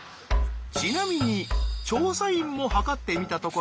ちなみに調査員も測ってみたところ。